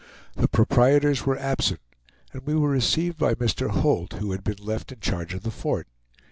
The proprietors were absent, and we were received by Mr. Holt, who had been left in charge of the fort.